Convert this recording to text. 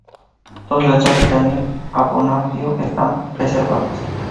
Dos letras de Daniel a Bonifacio están preservadas.